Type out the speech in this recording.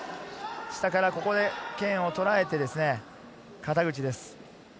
下からここで剣をとらえて肩口です。